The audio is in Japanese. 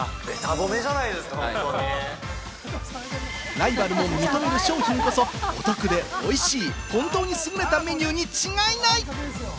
ライバルも認める商品こそ、お得でおいしい、本当に優れたメニューに違いない！